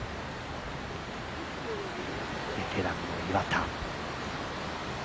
ベテランの岩田。